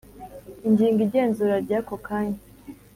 Ingingo Igenzura Ry Ako Kanya